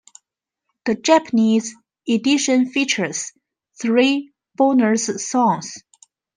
The Japanese edition features three bonus songs.